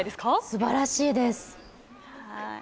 すばらしいです。